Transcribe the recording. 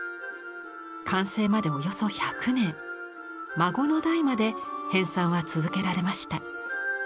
完成までおよそ１００年孫の代まで編纂は続けられました。